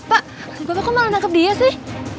pak sebetulnya kok malah nangkep dia sih